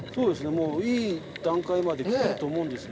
もういい段階まで来てると思うんですよ。